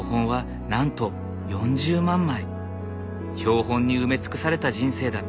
標本に埋め尽くされた人生だった。